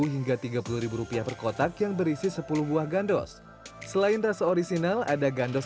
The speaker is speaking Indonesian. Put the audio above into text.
dua puluh hingga tiga puluh rupiah perkotak yang berisi sepuluh buah gandos selain rasa original ada gandos